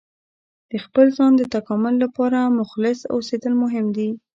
د خپل ځان د تکامل لپاره مخلص اوسیدل مهم دي.